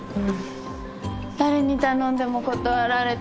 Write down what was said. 誰に頼んでも断られて。